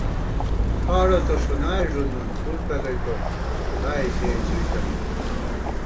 ݭاڑہ تہ ݭُنائے ݫُنون پُر تلَئ تون تائےݪِیَئی څُوئی تنَئیت